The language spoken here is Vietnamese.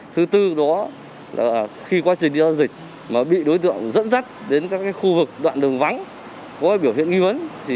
thứ tư đó là khi quá trình đi giao dịch bị đối tượng dẫn dắt đến các khu vực đoạn đường vắng có biểu hiện nghi vấn